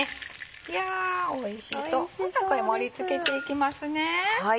いやおいしそうほんならこれ盛り付けていきますね。